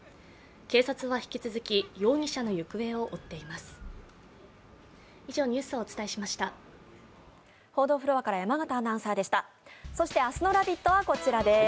警察は引き続き容疑者の行方を追っています。